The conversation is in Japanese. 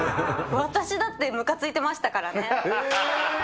私だってむかついてましたかえー？